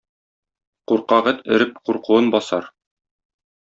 Куркак эт өреп куркуын басар.